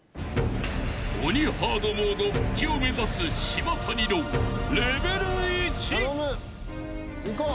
［鬼ハードモード復帰を目指す島谷のレベル１］いこう！